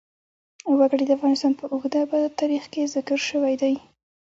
وګړي د افغانستان په اوږده تاریخ کې ذکر شوی دی.